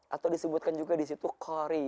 atau disebutkan juga disitu qari